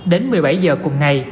đến một mươi bảy giờ cùng ngày